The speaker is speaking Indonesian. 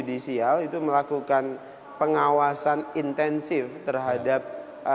so sudah kita melakukan jelasin betul ya sudah kucet agar semua orang berleraj impossible